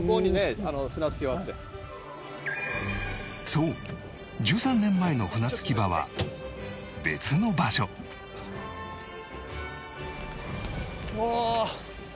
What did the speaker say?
そう１３年前の船着き場は別の場所ああ。